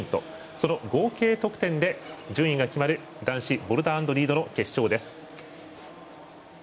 その合計得点で順位が決まる男子ボルダー＆リードの決勝です。